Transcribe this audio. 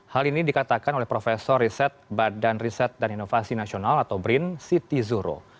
hal ini dikatakan oleh profesor riset badan riset dan inovasi nasional atau brin siti zuhro